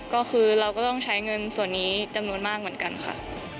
ก็คือเราก็ต้องใช้เงินส่วนนี้จำนวนมากเหมือนกันค่ะ